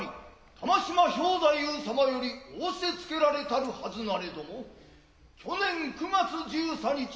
玉島兵太夫様より仰せつけられたるはずなれども去年九月十三日